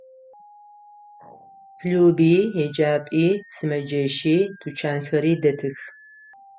Клуби, еджапӏи, сымэджэщи, тучанхэри дэтых.